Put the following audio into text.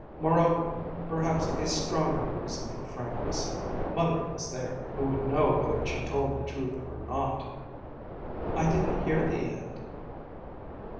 Moreover (perhaps a stronger reason for frankness), Mother was there, who would know whether she told the truth or not. "I didn't hear the end."